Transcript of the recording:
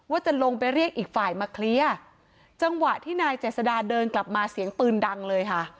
ว่าจะลงไปเรียกอีกฝ่ายมาเคลียร์จังหวะที่นายเจษดาเดินกลับมาเสียงปืนดังเลยค่ะ